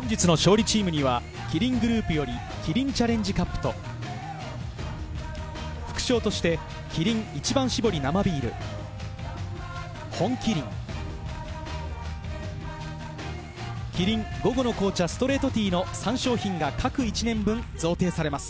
本日の勝利チームにはキリングループよりキリンチャレンジカップと副賞としてキリン一番搾り生ビール、本麒麟、キリン午後の紅茶ストレートティーの３商品が各１年分贈呈されます。